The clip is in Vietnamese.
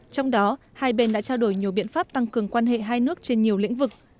trong đó hai bên đã trao đổi nhiều biện pháp tăng cường quan hệ hai nước trên nhiều lĩnh vực